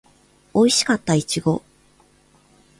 おいしかったいちご